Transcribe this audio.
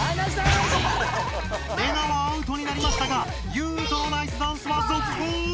レナはアウトになりましたがユウトのナイスダンスはぞっこう！